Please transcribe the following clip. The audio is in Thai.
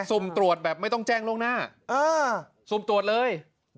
สก็ทำตรวจแบบไม่ต้องแจ้งโลกหน้าซุ่มตรวจเลย